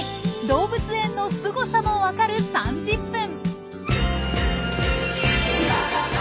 動物園のすごさもわかる３０分！